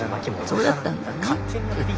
そうだったんだね。